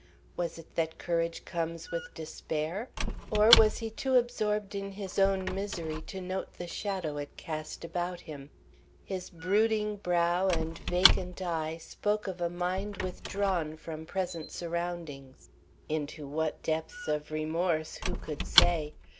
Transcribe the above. Was it that courage comes with despair? Or was he too absorbed in his own misery to note the shadow it cast about him? His brooding brow and vacant eye spoke of a mind withdrawn from present surroundings. Into what depths of remorse, who could say?